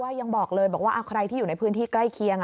ยังบอกเลยบอกว่าใครที่อยู่ในพื้นที่ใกล้เคียง